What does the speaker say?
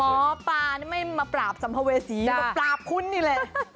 หมอปลานี่ไม่มาปราบสัมภเวษีมาปราบคุณนี่แหละ